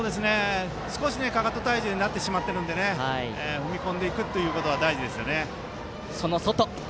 少しかかと体重になってしまってるので踏み込んでいくことが大事ですね。